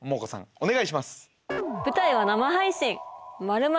お願いします。